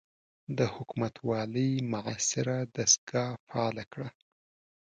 د حکومتوالۍ معاصره دستګاه فعاله کړه.